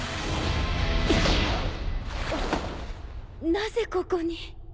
なぜここに？